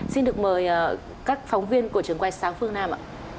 xin được mời các phóng viên của trường quay sáng phương nam ạ